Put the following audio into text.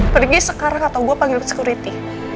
pergi sekarang atau gue panggil security